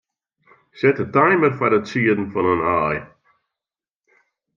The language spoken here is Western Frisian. Set de timer foar it sieden fan in aai.